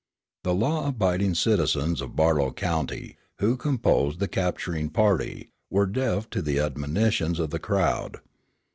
The law abiding citizens of Barlow County, who composed the capturing party, were deaf to the admonitions of the crowd.